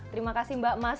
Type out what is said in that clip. terima kasih mbak mas